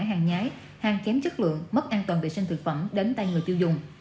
hàng nhái hàng kém chất lượng mất an toàn vệ sinh thực phẩm đến tay người tiêu dùng